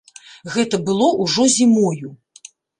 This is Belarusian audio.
Гэта было ўжо зімою.